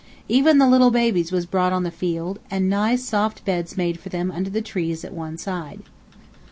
Even the little babies was brought on the field, and nice, soft beds made for them under the trees at one side.